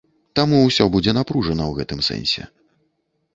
Таму ўсё будзе напружана ў гэтым сэнсе.